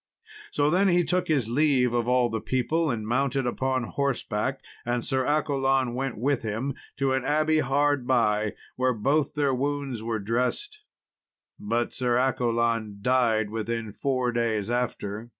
So then he took his leave of all the people and mounted upon horseback, and Sir Accolon went with him to an abbey hard by, where both their wounds were dressed. But Sir Accolon died within four days after.